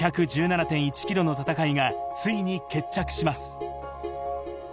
２１７．１ｋｍの戦いがついに決着します。